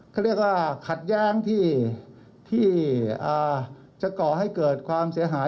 เขาเรียกว่าขัดแย้งที่จะก่อให้เกิดความเสียหาย